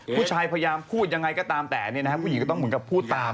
ผู้ชายพยายามพูดยังไงก็ตามแต่ผู้หญิงก็ต้องเหมือนกับพูดตาม